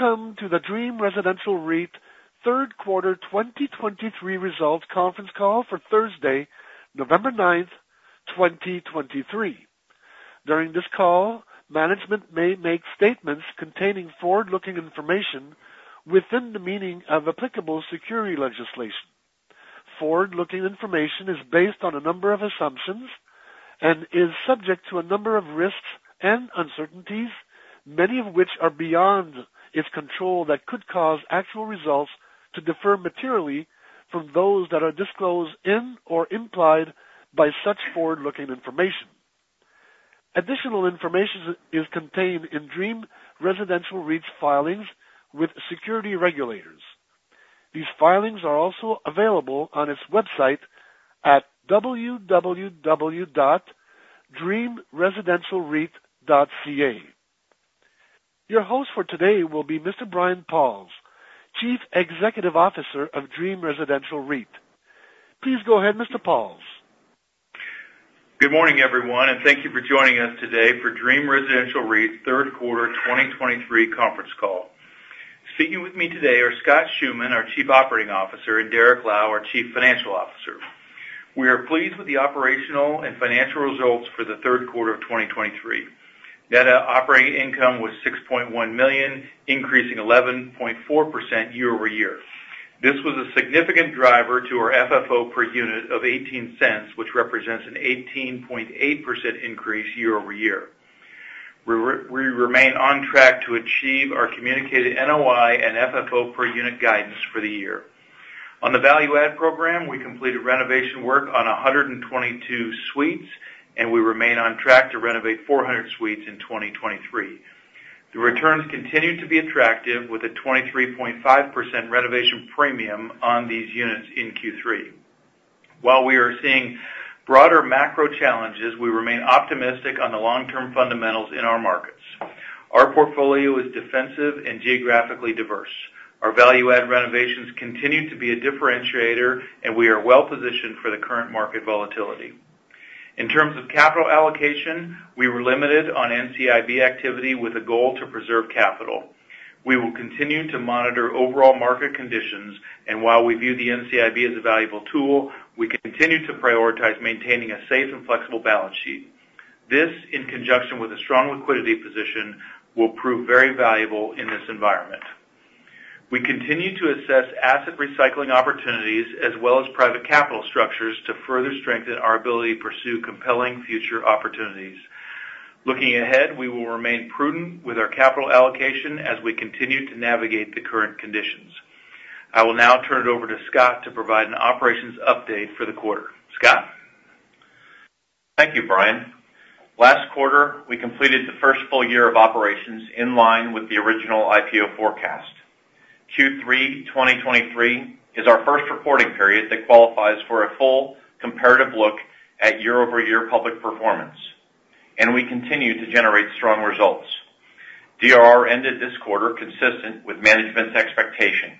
Welcome to the Dream Residential REIT Third Quarter 2023 Results Conference Call for Thursday, November 9th, 2023. During this call, management may make statements containing forward-looking information within the meaning of applicable security legislation. Forward-looking information is based on a number of assumptions and is subject to a number of risks and uncertainties, many of which are beyond its control, that could cause actual results to differ materially from those that are disclosed in or implied by such forward-looking information. Additional information is contained in Dream Residential REIT's filings with security regulators. These filings are also available on its website at www.dreamresidentialreit.ca. Your host for today will be Mr. Brian Pauls, Chief Executive Officer of Dream Residential REIT. Please go ahead, Mr. Pauls. Good morning, everyone, and thank you for joining us today for Dream Residential REIT's Third Quarter 2023 Conference Call. Speaking with me today are Scott Schoeman, our Chief Operating Officer, and Derrick Lau, our Chief Financial Officer. We are pleased with the operational and financial results for the third quarter of 2023. Net operating income was $6.1 million, increasing 11.4% year-over-year. This was a significant driver to our FFO per unit of $0.18, which represents an 18.8% increase year-over-year. We remain on track to achieve our communicated NOI and FFO per unit guidance for the year. On the value add program, we completed renovation work on 122 suites, and we remain on track to renovate 400 suites in 2023. The returns continue to be attractive, with a 23.5% renovation premium on these units in Q3. While we are seeing broader macro challenges, we remain optimistic on the long-term fundamentals in our markets. Our portfolio is defensive and geographically diverse. Our value add renovations continue to be a differentiator, and we are well positioned for the current market volatility. In terms of capital allocation, we were limited on NCIB activity with a goal to preserve capital. We will continue to monitor overall market conditions, and while we view the NCIB as a valuable tool, we continue to prioritize maintaining a safe and flexible balance sheet. This, in conjunction with a strong liquidity position, will prove very valuable in this environment. We continue to assess asset recycling opportunities as well as private capital structures to further strengthen our ability to pursue compelling future opportunities. Looking ahead, we will remain prudent with our capital allocation as we continue to navigate the current conditions. I will now turn it over to Scott to provide an operations update for the quarter. Scott? Thank you, Brian. Last quarter, we completed the first full year of operations in line with the original IPO forecast. Q3 2023 is our first reporting period that qualifies for a full comparative look at year-over-year public performance, and we continue to generate strong results. DRR ended this quarter consistent with management's expectation.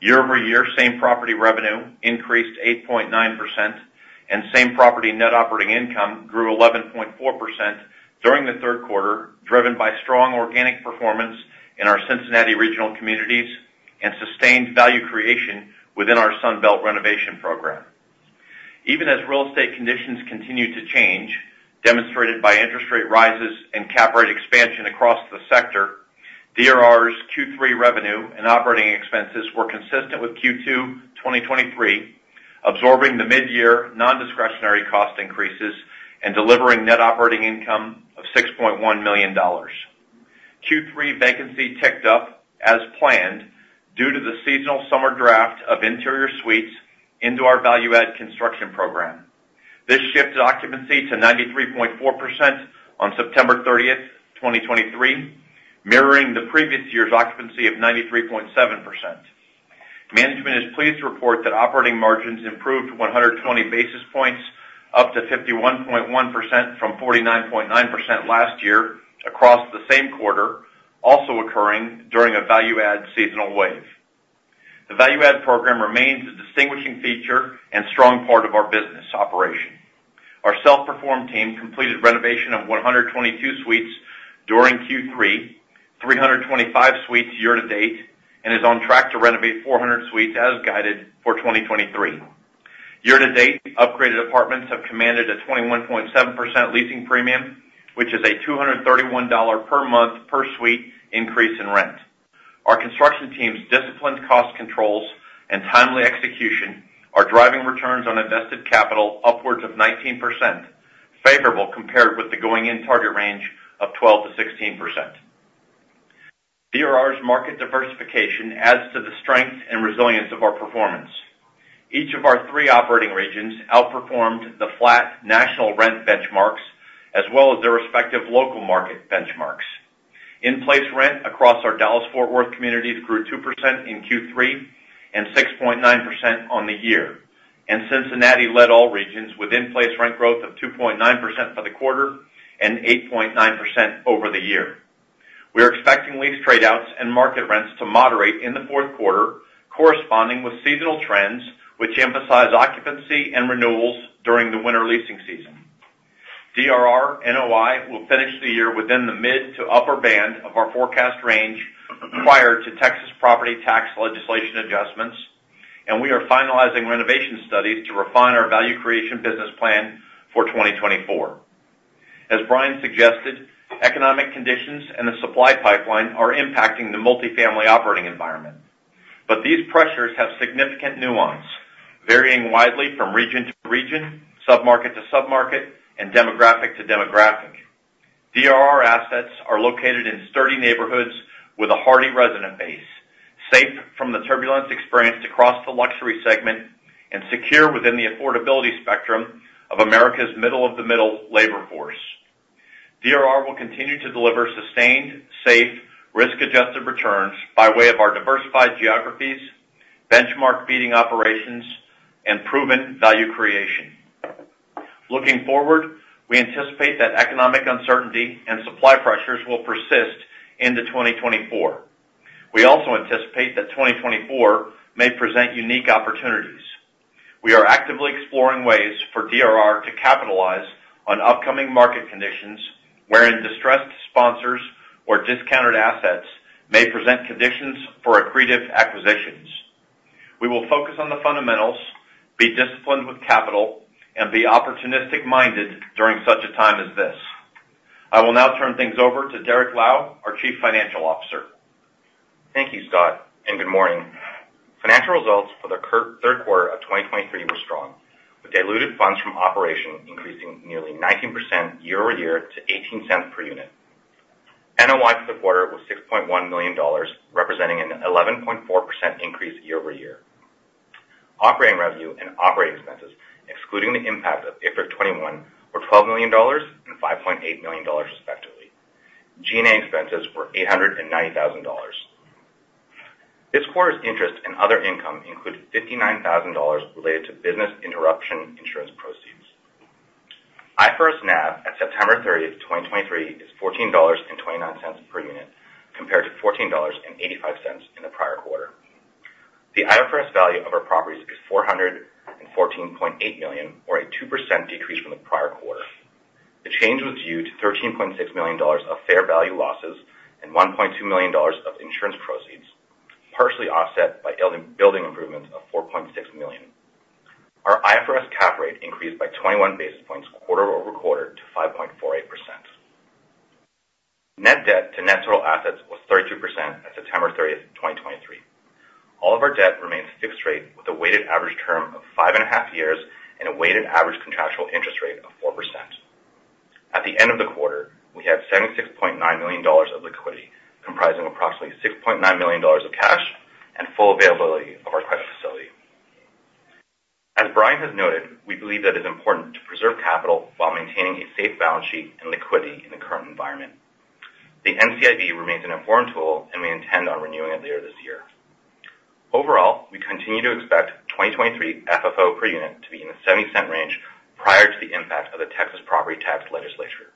Year-over-year, same property revenue increased 8.9%, and same property net operating income grew 11.4% during the third quarter, driven by strong organic performance in our Cincinnati regional communities and sustained value creation within our Sunbelt renovation program. Even as real estate conditions continue to change, demonstrated by interest rate rises and cap rate expansion across the sector, DRR's Q3 revenue and operating expenses were consistent with Q2 2023, absorbing the mid-year non-discretionary cost increases and delivering net operating income of $6.1 million. Q3 vacancy ticked up as planned, due to the seasonal summer draft of interior suites into our value add construction program. This shifted occupancy to 93.4% on September 30th, 2023, mirroring the previous year's occupancy of 93.7%. Management is pleased to report that operating margins improved 120 basis points, up to 51.1% from 49.9% last year across the same quarter, also occurring during a value add seasonal wave. The value add program remains a distinguishing feature and strong part of our business operation. Our self-perform team completed renovation of 122 suites during Q3, 325 suites year to date, and is on track to renovate 400 suites as guided for 2023. Year to date, upgraded apartments have commanded a 21.7% leasing premium, which is a $231 per month, per suite increase in rent. Our construction team's disciplined cost controls and timely execution are driving returns on invested capital upwards of 19%, favorable compared with the going-in target range of 12%-16%. DRR's market diversification adds to the strength and resilience of our performance. Each of our three operating regions outperformed the flat national rent benchmarks, as well as their respective local market benchmarks. In-place rent across our Dallas-Fort Worth communities grew 2% in Q3 and 6.9% on the year, and Cincinnati led all regions with in-place rent growth of 2.9% for the quarter and 8.9% over the year. We are expecting lease trade outs and market rents to moderate in the fourth quarter, corresponding with seasonal trends, which emphasize occupancy and renewals during the winter leasing season. DRR NOI will finish the year within the mid- to upper band of our forecast range prior to Texas property tax legislation adjustments, and we are finalizing renovation studies to refine our value creation business plan for 2024. As Brian suggested, economic conditions and the supply pipeline are impacting the multifamily operating environment. But these pressures have significant nuance, varying widely from region to region, submarket to submarket, and demographic to demographic. DRR assets are located in sturdy neighborhoods with a hardy resident base, safe from the turbulence experienced across the luxury segment and secure within the affordability spectrum of America's middle-of-the-middle labor force. DRR will continue to deliver sustained, safe, risk-adjusted returns by way of our diversified geographies, benchmark-beating operations, and proven value creation. Looking forward, we anticipate that economic uncertainty and supply pressures will persist into 2024. We also anticipate that 2024 may present unique opportunities. We are actively exploring ways for DRR to capitalize on upcoming market conditions, where in distressed sponsors or discounted assets may present conditions for accretive acquisitions. We will focus on the fundamentals, be disciplined with capital, and be opportunistic-minded during such a time as this. I will now turn things over to Derrick Lau, our Chief Financial Officer. Thank you, Scott, and good morning. Financial results for the third quarter of 2023 were strong, with diluted funds from operations increasing nearly 19% year-over-year to $0.18 per unit. NOI for the quarter was $6.1 million, representing an 11.4% increase year-over-year. Operating revenue and operating expenses, excluding the impact of IFRIC 21, were $12 million and $5.8 million, respectively. G&A expenses were $890,000. This quarter's interest and other income included $59,000 related to business interruption insurance proceeds. IFRS NAV at September 30th, 2023, is $14.29 per unit, compared to $14.85 in the prior quarter. The IFRS value of our properties is $414.8 million, or a 2% decrease from the prior quarter. The change was due to $13.6 million of fair value losses and $1.2 million of insurance proceeds, partially offset by building improvements of $4.6 million. Our IFRS cap rate increased by 21 basis points quarter-over-quarter to 5.48%. Net debt to net total assets was 32% at September 30th, 2023. All of our debt remains fixed rate, with a weighted average term of five and a half years and a weighted average contractual interest rate of 4%. At the end of the quarter, we had $76.9 million of liquidity, comprising approximately $6.9 million of cash and full availability of our credit facility. As Brian has noted, we believe that it's important to preserve capital while maintaining a safe balance sheet and liquidity in the current environment. The NCIB remains an important tool, and we intend on renewing it later this year. Overall, we continue to expect 2023 FFO per unit to be in the $0.70 range prior to the impact of the Texas property tax legislation.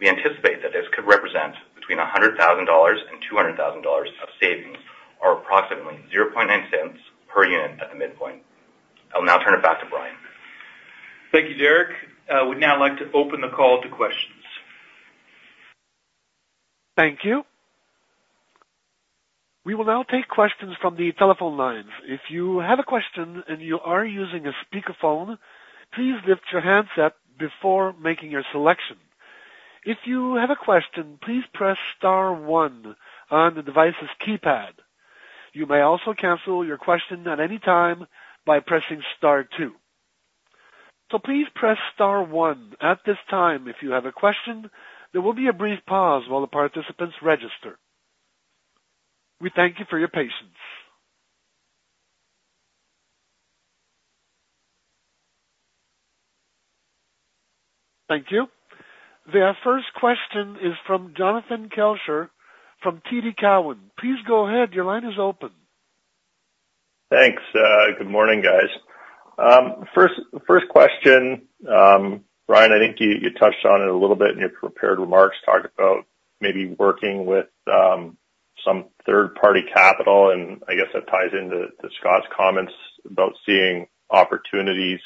We anticipate that this could represent between $100,000 and $200,000 of savings, or approximately $0.009 per unit at the midpoint. I'll now turn it back to Brian. Thank you, Derrick. I would now like to open the call to questions. Thank you. We will now take questions from the telephone lines. If you have a question and you are using a speakerphone, please lift your handset before making your selection. If you have a question, please press star one on the device's keypad. You may also cancel your question at any time by pressing star two. So please press star one at this time if you have a question. There will be a brief pause while the participants register. We thank you for your patience. Thank you. The first question is from Jonathan Kelcher from TD Cowen. Please go ahead. Your line is open. Thanks, good morning, guys. First question, Brian, I think you touched on it a little bit in your prepared remarks, talked about maybe working with some third-party capital, and I guess that ties into Scott's comments about seeing opportunities.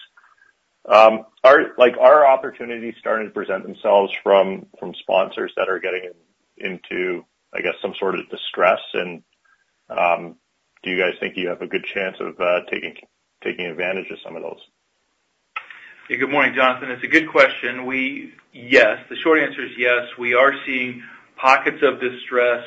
Like, are opportunities starting to present themselves from sponsors that are getting into, I guess, some sort of distress? And, do you guys think you have a good chance of taking advantage of some of those? Yeah. Good morning, Jonathan. It's a good question. Yes, the short answer is yes. We are seeing pockets of distress,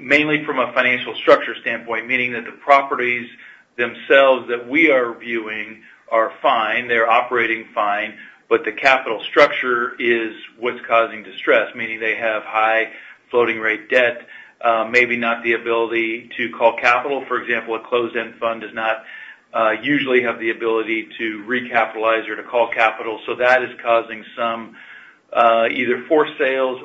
mainly from a financial structure standpoint, meaning that the properties themselves that we are viewing are fine, they're operating fine, but the capital structure is what's causing distress, meaning they have high floating rate debt, maybe not the ability to call capital. For example, a closed-end fund does not usually have the ability to recapitalize or to call capital, so that is causing some either forced sales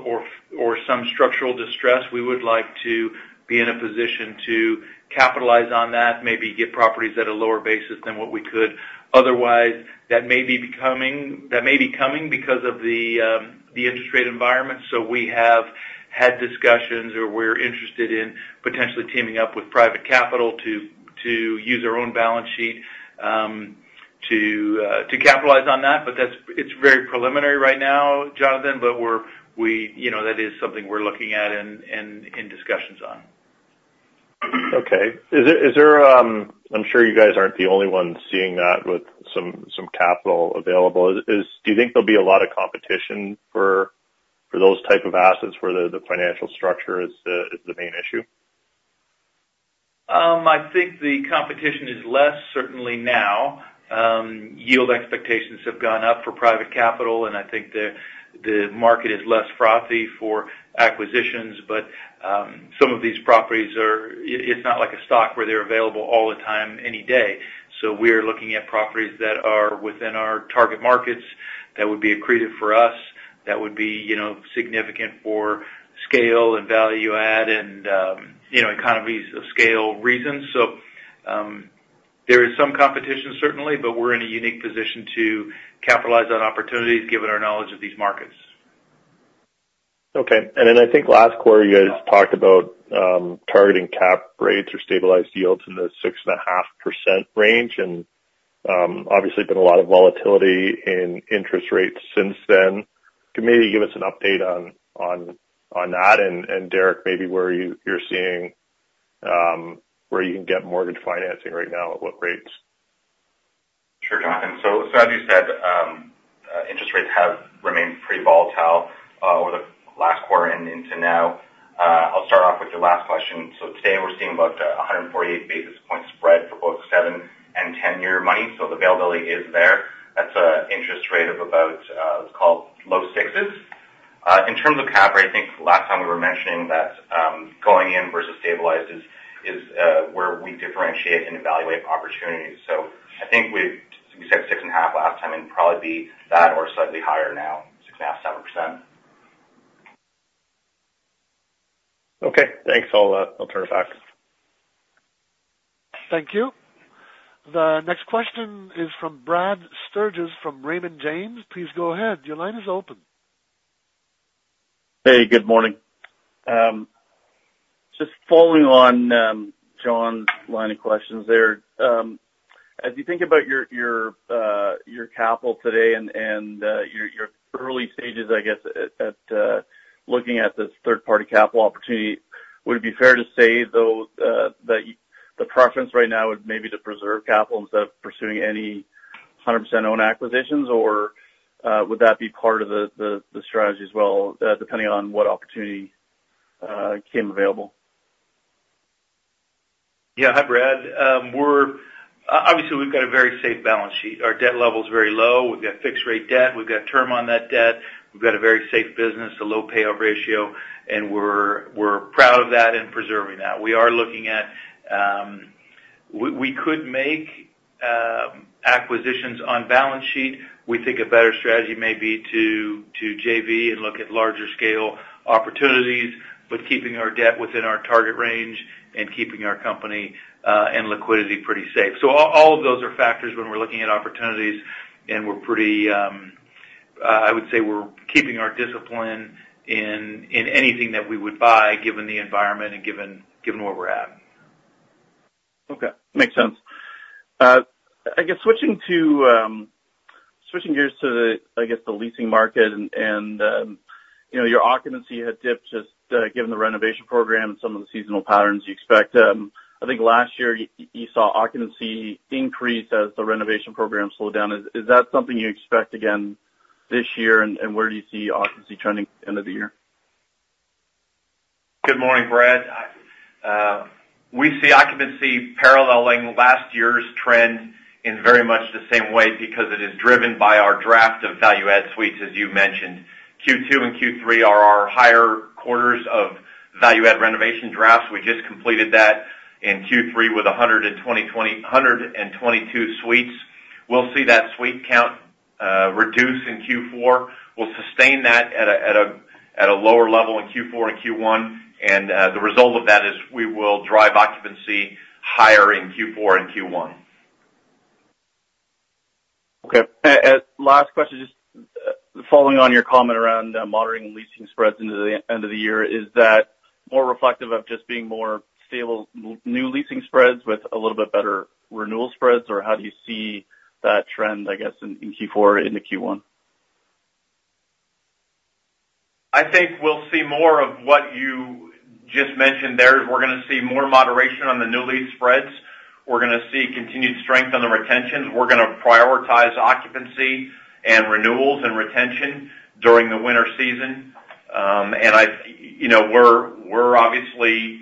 or some structural distress. We would like to be in a position to capitalize on that, maybe get properties at a lower basis than what we could otherwise. That may be coming because of the interest rate environment, so we have. had discussions or we're interested in potentially teaming up with private capital to use our own balance sheet to capitalize on that. But that's. It's very preliminary right now, Jonathan, but we're you know that is something we're looking at and discussions on. Okay. I'm sure you guys aren't the only ones seeing that with some capital available. Do you think there'll be a lot of competition for those type of assets, where the financial structure is the main issue? I think the competition is less, certainly now. Yield expectations have gone up for private capital, and I think the market is less frothy for acquisitions. But some of these properties are. It's not like a stock where they're available all the time, any day. So we're looking at properties that are within our target markets that would be accretive for us, that would be, you know, significant for scale and value add and, you know, economies of scale reasons. So there is some competition, certainly, but we're in a unique position to capitalize on opportunities, given our knowledge of these markets. Okay. Then I think last quarter, you guys talked about targeting cap rates or stabilized yields in the 6.5% range, and obviously been a lot of volatility in interest rates since then. Can you maybe give us an update on that, and Derrick, maybe where you're seeing where you can get mortgage financing right now, at what rates? Sure, Jonathan. As you said, interest rates have remained pretty volatile over the last quarter and into now. I'll start off with your last question. So today, we're seeing about 148 basis point spread for both seven and 10 year money, so the availability is there. That's an interest rate of about, let's call it low 6%s. In terms of cap rate, I think last time we were mentioning that going in versus stabilized is where we differentiate and evaluate opportunities. So I think we said 6.5% last time, and probably be that or slightly higher now, 6.5%-7%. Okay, thanks. I'll turn it back. Thank you. The next question is from Brad Sturges from Raymond James. Please go ahead. Your line is open. Hey, good morning. Just following on, John's line of questions there. As you think about your capital today and your early stages, I guess, looking at this third-party capital opportunity, would it be fair to say, though, that the preference right now would maybe to preserve capital instead of pursuing any hundred percent owned acquisitions? Or, would that be part of the strategy as well, depending on what opportunity came available? Yeah. Hi, Brad. We're obviously we've got a very safe balance sheet. Our debt level is very low. We've got fixed-rate debt. We've got term on that debt. We've got a very safe business, a low payout ratio, and we're, we're proud of that and preserving that. We are looking at. We could make acquisitions on balance sheet. We think a better strategy may be to JV and look at larger scale opportunities, but keeping our debt within our target range and keeping our company and liquidity pretty safe. So all, all of those are factors when we're looking at opportunities, and we're pretty, I would say we're keeping our discipline in anything that we would buy, given the environment and given where we're at. Okay. Makes sense. I guess, switching gears to the leasing market and, you know, your occupancy had dipped just given the renovation program and some of the seasonal patterns you expect. I think last year, you saw occupancy increase as the renovation program slowed down. Is that something you expect again this year, and where do you see occupancy trending end of the year? Good morning, Brad. We see occupancy paralleling last year's trend in very much the same way because it is driven by our depth of value-add suites, as you mentioned. Q2 and Q3 are our higher quarters of value-add renovation depths. We just completed that in Q3 with 120-122 suites. We'll see that suite count reduce in Q4. We'll sustain that at a lower level in Q4 and Q1, and the result of that is we will drive occupancy higher in Q4 and Q1. Okay. Last question, just following on your comment around monitoring and leasing spreads into the end of the year. Is that more reflective of just being more stable, new leasing spreads with a little bit better renewal spreads, or how do you see that trend, I guess, in Q4, into Q1? I think we'll see more of what you just mentioned there. We're gonna see more moderation on the new lease spreads. We're gonna see continued strength on the retention. We're gonna prioritize occupancy and renewals and retention during the winter season. And you know, we're obviously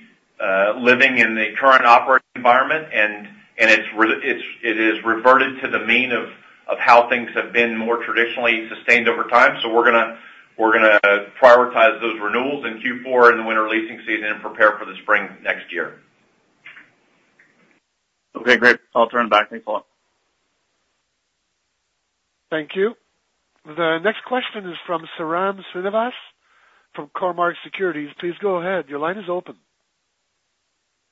living in the current operating environment, and it's reverted to the mean of how things have been more traditionally sustained over time. So we're gonna prioritize those renewals in Q4 and the winter leasing season and prepare for the spring next year. Okay, great. I'll turn it back. Thanks a lot. Thank you. The next question is from Sairam Srinivas from Cormark Securities. Please go ahead. Your line is open.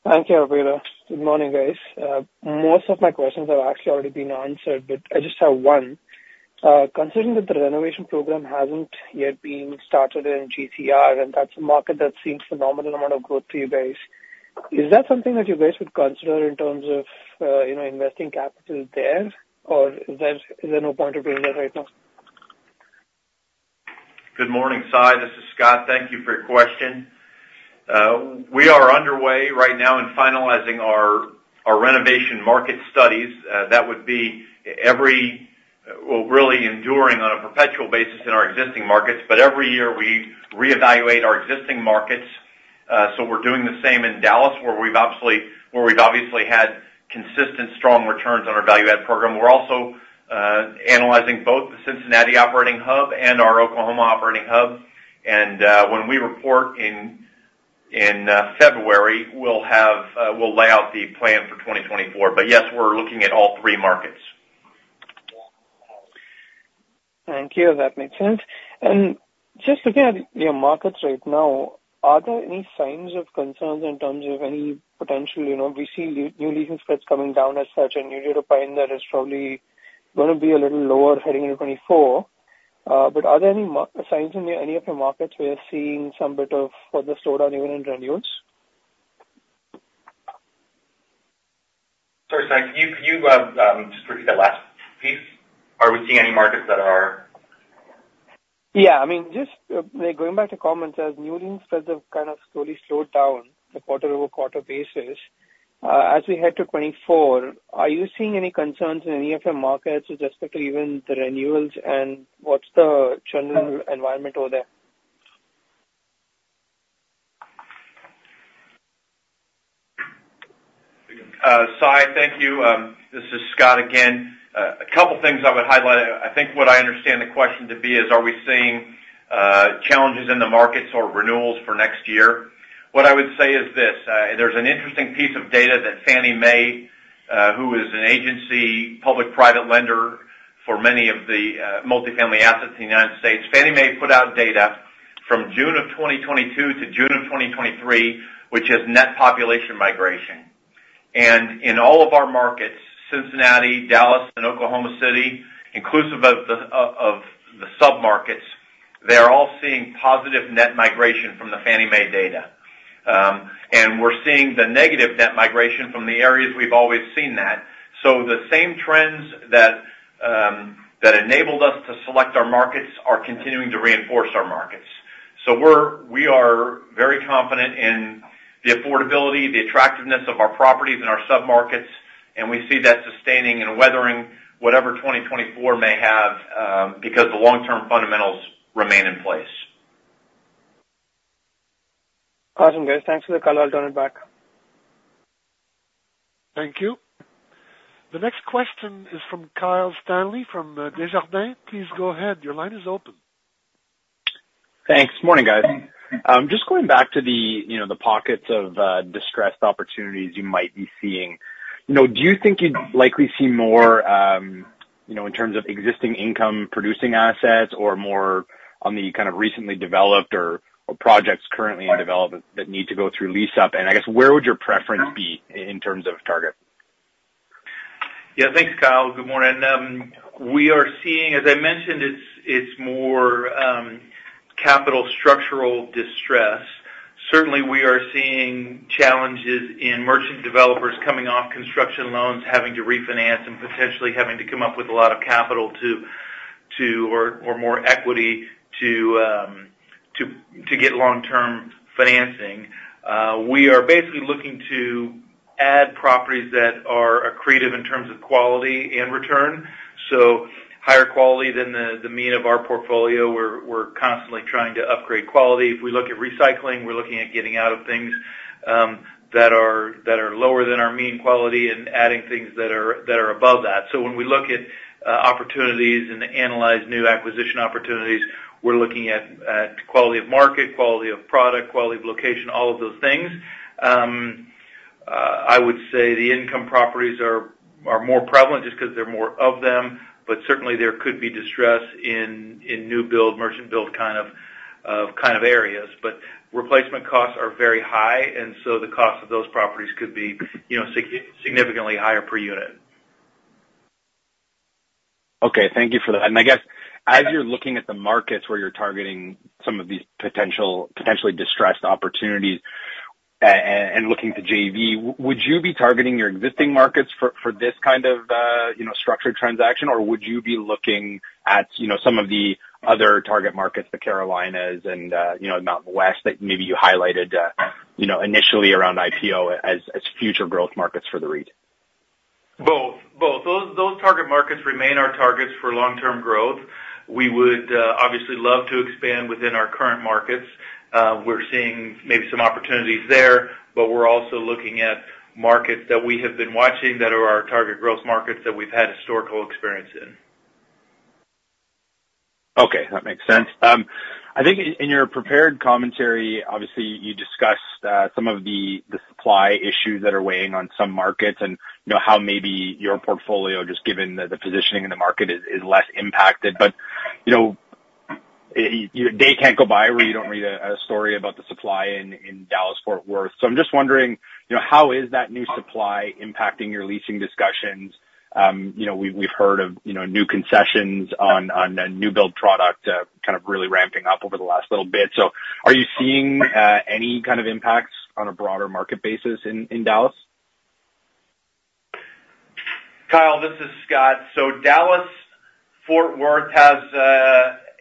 Thank you, operator. Good morning, guys. Most of my questions have actually already been answered, but I just have one. Considering that the renovation program hasn't yet been started in GCR, and that's a market that seems phenomenal amount of growth to you guys, is that something that you guys would consider in terms of, you know, investing capital there, or is there no point of doing that right now? Good morning, Sai. This is Scott. Thank you for your question. We are underway right now in finalizing our renovation market studies. That would be every. Well, really enduring on a perpetual basis in our existing markets, but every year we reevaluate our existing markets. So we're doing the same in Dallas, where we've obviously had consistent, strong returns on our value add program. We're also analyzing both the Cincinnati operating hub and our Oklahoma operating hub, and when we report in February, we'll lay out the plan for 2024. But yes, we're looking at all three markets. Thank you. That makes sense. And just looking at your markets right now, are there any signs of concerns in terms of any potential, you know, we see new leasing spreads coming down as such, and you did opine that it's probably gonna be a little lower heading into 2024. But are there any market signs in any of your markets where you're seeing some bit of further slowdown even in renewals? Sorry, Sai, can you just repeat that last piece? Are we seeing any markets that are. Yeah. I mean, just, like, going back to comments, as new leasing spreads have kind of slowly slowed down on a quarter-over-quarter basis, as we head to 2024, are you seeing any concerns in any of your markets with respect to even the renewals, and what's the general environment over there? Sai, thank you. This is Scott again. A couple of things I would highlight. I think what I understand the question to be is, are we seeing challenges in the markets or renewals for next year? What I would say is this, there's an interesting piece of data that Fannie Mae, who is an agency, public-private lender for many of the multifamily assets in the United States. Fannie Mae put out data from June of 2022 to June of 2023, which is net population migration. And in all of our markets, Cincinnati, Dallas, and Oklahoma City, inclusive of the submarkets, they are all seeing positive net migration from the Fannie Mae data. And we're seeing the negative net migration from the areas we've always seen that. So the same trends that that enabled us to select our markets are continuing to reinforce our markets. So we are very confident in the affordability, the attractiveness of our properties and our submarkets, and we see that sustaining and weathering whatever 2024 may have, because the long-term fundamentals remain in place. Awesome, guys. Thanks for the call. I'll turn it back. Thank you. The next question is from Kyle Stanley from Desjardins. Please go ahead. Your line is open. Thanks. Morning, guys. Just going back to the, you know, the pockets of distressed opportunities you might be seeing. You know, do you think you'd likely see more, you know, in terms of existing income-producing assets or more on the kind of recently developed or projects currently in development that need to go through lease up? And I guess, where would your preference be in terms of target? Yeah, thanks, Kyle. Good morning. We are seeing. As I mentioned, it's more capital structural distress. Certainly, we are seeing challenges in merchant developers coming off construction loans, having to refinance, and potentially having to come up with a lot of capital to or more equity to get long-term financing. We are basically looking to add properties that are accretive in terms of quality and return, so higher quality than the mean of our portfolio. We're constantly trying to upgrade quality. If we look at recycling, we're looking at getting out of things that are lower than our mean quality and adding things that are above that. So when we look at opportunities and analyze new acquisition opportunities, we're looking at quality of market, quality of product, quality of location, all of those things. I would say the income properties are more prevalent just because there are more of them, but certainly there could be distress in new build, merchant build kind of areas. But replacement costs are very high, and so the cost of those properties could be, you know, significantly higher per unit. Okay. Thank you for that. I guess, as you're looking at the markets where you're targeting some of these potentially distressed opportunities, and looking to JV, would you be targeting your existing markets for this kind of, you know, structured transaction? Or would you be looking at, you know, some of the other target markets, the Carolinas and, you know, Mountain West, that maybe you highlighted, you know, initially around IPO as future growth markets for the REIT? Both. Both. Those, those target markets remain our targets for long-term growth. We would obviously love to expand within our current markets. We're seeing maybe some opportunities there, but we're also looking at markets that we have been watching that are our target growth markets, that we've had historical experience in. Okay, that makes sense. I think in your prepared commentary, obviously, you discussed some of the supply issues that are weighing on some markets and, you know, how maybe your portfolio, just given the positioning in the market, is less impacted. But, you know. A day can't go by where you don't read a story about the supply in Dallas-Fort Worth. So I'm just wondering, you know, how is that new supply impacting your leasing discussions? You know, we've heard of, you know, new concessions on the new build product kind of really ramping up over the last little bit. So are you seeing any kind of impacts on a broader market basis in Dallas? Kyle, this is Scott. So Dallas-Fort Worth has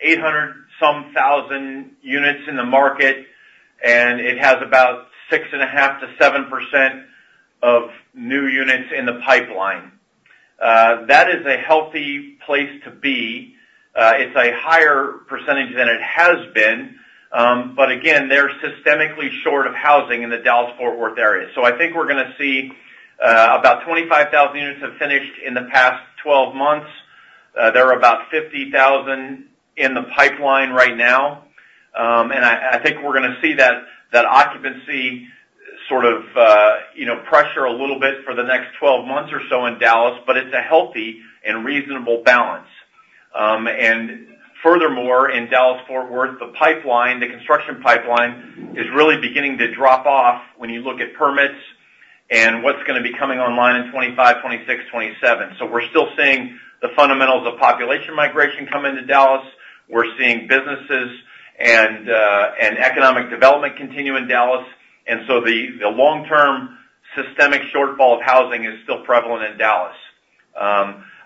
800-some thousand units in the market, and it has about 6.5%-7% of new units in the pipeline. That is a healthy place to be. It's a higher percentage than it has been. But again, they're systemically short of housing in the Dallas-Fort Worth area. So I think we're gonna see about 25,000 units have finished in the past 12 months. There are about 50,000 in the pipeline right now. And I think we're gonna see that occupancy sort of you know pressure a little bit for the next 12 months or so in Dallas, but it's a healthy and reasonable balance. And furthermore, in Dallas-Fort Worth, the pipeline, the construction pipeline, is really beginning to drop off when you look at permits and what's gonna be coming online in 2025, 2026, 2027. So we're still seeing the fundamentals of population migration come into Dallas. We're seeing businesses and economic development continue in Dallas, and so the long-term systemic shortfall of housing is still prevalent in Dallas.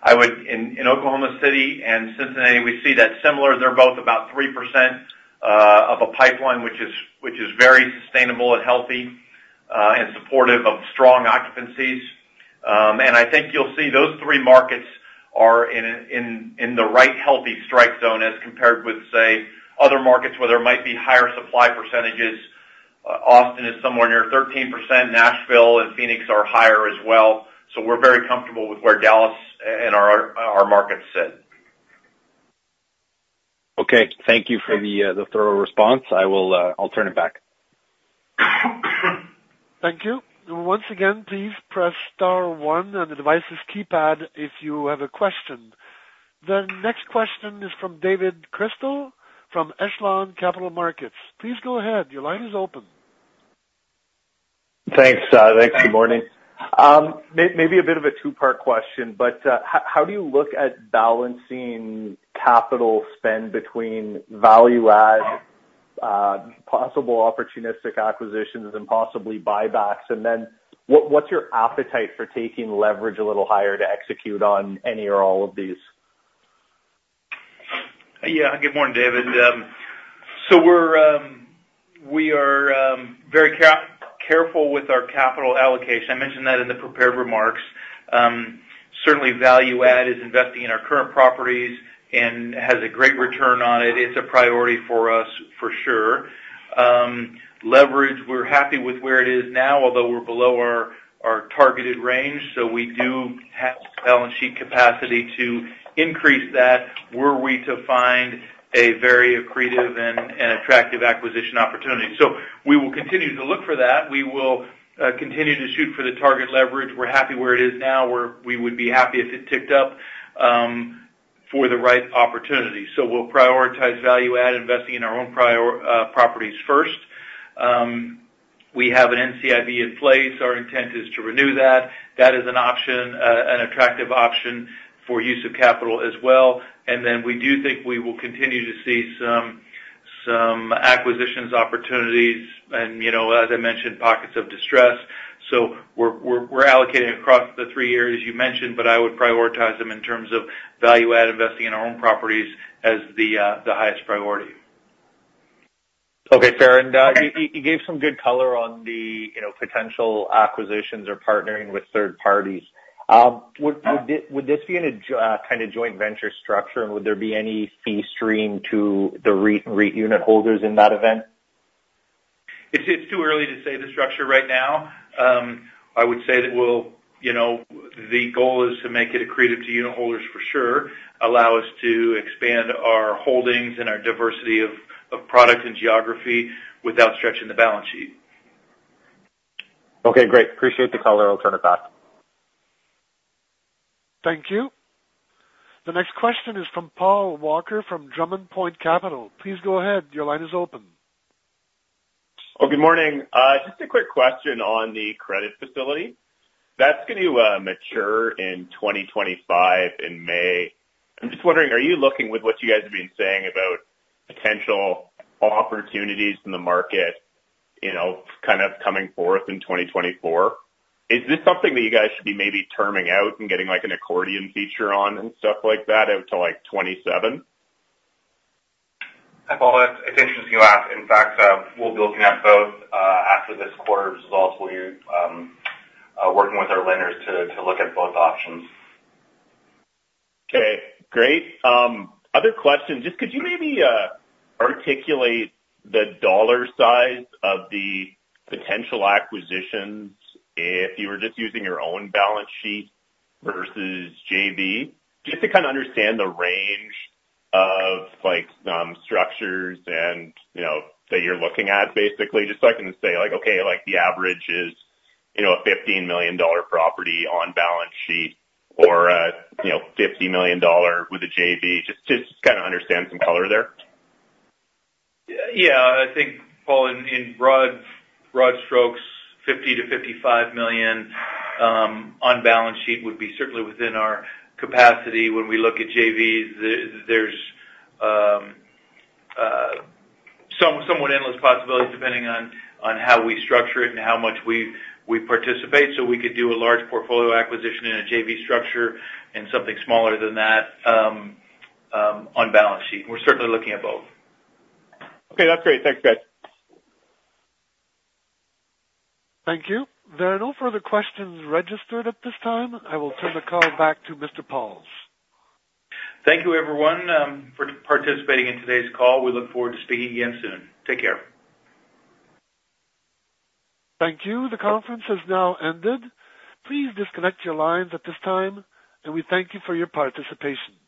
In Oklahoma City and Cincinnati, we see that similar. They're both about 3% of a pipeline, which is very sustainable and healthy and supportive of strong occupancies. And I think you'll see those three markets are in the right healthy strike zone as compared with, say, other markets where there might be higher supply percentages. Austin is somewhere near 13%. Nashville and Phoenix are higher as well. So we're very comfortable with where Dallas and our, our markets sit. Okay, thank you for the thorough response. I will, I'll turn it back. Thank you. Once again, please press star one on the device's keypad if you have a question. The next question is from David Chrystal from Echelon Capital Markets. Please go ahead. Your line is open. Thanks, thanks. Good morning. Maybe a bit of a two-part question, but how do you look at balancing capital spend between value add, possible opportunistic acquisitions and possibly buybacks? And then what's your appetite for taking leverage a little higher to execute on any or all of these? Yeah. Good morning, David. So we're very careful with our capital allocation. I mentioned that in the prepared remarks. Certainly, value add is investing in our current properties and has a great return on it. It's a priority for us, for sure. Leverage, we're happy with where it is now, although we're below our targeted range. So we do have balance sheet capacity to increase that, were we to find a very accretive and attractive acquisition opportunity. So we will continue to look for that. We will continue to shoot for the target leverage. We're happy where it is now. We would be happy if it ticked up for the right opportunity. So we'll prioritize value add investing in our own properties first. We have an NCIB in place. Our intent is to renew that. That is an option, an attractive option for use of capital as well. And then we do think we will continue to see some acquisitions, opportunities, and you know, as I mentioned, pockets of distress. So we're allocating across the three areas you mentioned, but I would prioritize them in terms of value add investing in our own properties as the, the highest priority. Okay, fair. And you gave some good color on the, you know, potential acquisitions or partnering with third parties. Would this be in a kind of joint venture structure? And would there be any fee stream to the REIT unit holders in that event? It's too early to say the structure right now. I would say that we'll. You know, the goal is to make it accretive to unit holders for sure, allow us to expand our holdings and our diversity of product and geography without stretching the balance sheet. Okay, great. Appreciate the color. I'll turn it back. Thank you. The next question is from Paul Walker, from Drummond Point Capital. Please go ahead. Your line is open. Oh, good morning. Just a quick question on the credit facility. That's going to mature in 2025, in May. I'm just wondering, are you looking with what you guys have been saying about potential opportunities in the market, you know, kind of coming forth in 2024? Is this something that you guys should be maybe terming out and getting, like, an accordion feature on and stuff like that out to, like, 27? Hi, Paul. It's interesting you ask. In fact, we'll be looking at both after this quarter's results. We're working with our lenders to look at both options. Okay, great. Other question, just could you maybe articulate the dollar size of the potential acquisitions if you were just using your own balance sheet versus JV? Just to kind of understand the range of, like, structures and, you know, that you're looking at, basically, just so I can say, like, okay, like the average is, you know, a $15 million property on balance sheet or a, you know, $50 million with a JV. Just, just to kind of understand some color there. Yeah. I think, Paul, in broad strokes, $50 million-$55 million on balance sheet would be certainly within our capacity. When we look at JVs, there's somewhat endless possibilities, depending on how we structure it and how much we participate. So we could do a large portfolio acquisition in a JV structure and something smaller than that on balance sheet. We're certainly looking at both. Okay, that's great. Thanks, guys. Thank you. There are no further questions registered at this time. I will turn the call back to Mr. Pauls. Thank you, everyone, for participating in today's call. We look forward to speaking again soon. Take care. Thank you. The conference has now ended. Please disconnect your lines at this time, and we thank you for your participation.